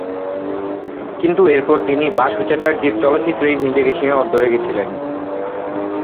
কিন্তু এরপর তিনি বাসু চ্যাটার্জী-র চলচ্চিত্রেই নিজেকে সীমাবদ্ধ রেখেছিলেন।